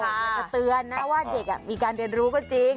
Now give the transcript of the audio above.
แต่ก็ตื่นน่ะว่าเดี๋ยวไอ้เด็กมีการเรียนรู้ก็จริง